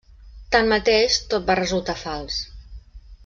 Tanmateix, tot va resultar fals.